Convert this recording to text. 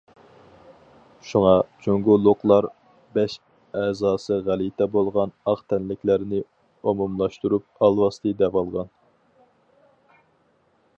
شۇڭا جۇڭگولۇقلار بەش ئەزاسى غەلىتە بولغان ئاق تەنلىكلەرنى ئومۇملاشتۇرۇپ« ئالۋاستى» دەۋالغان.